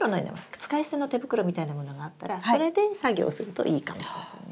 使い捨ての手袋みたいなものがあったらそれで作業をするといいかもしれませんね。